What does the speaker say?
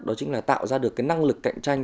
đó chính là tạo ra được cái năng lực cạnh tranh